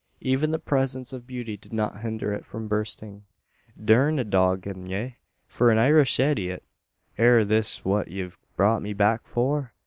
Even the presence of beauty did not hinder it from bursting. "Durn, an dog gone ye, for a Irish eedyit! Air this what ye've brought me back for!